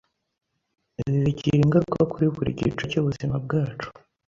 Ibi bigira ingaruka kuri buri gice cy'ubuzima bwacu